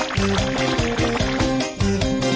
โอ้โฮเฮ้ยโยกจนเอวพังก็ไม่ได้ใจเธอเลยนะ